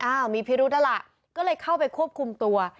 อ้าวมีพิรุธละก็เลยเข้าไปควบคุมตัว